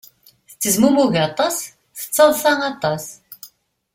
Tettezmumug aṭas, tettaḍsa aṭas.